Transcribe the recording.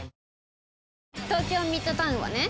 東京ミッドタウンはね